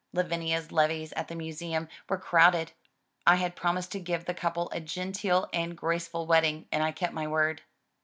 Lavinia's levees at the museum were crowded. I had promised to give the couple a genteel and grace ful wedding and I kept my word.